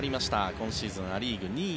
今シーズン、ア・リーグ２位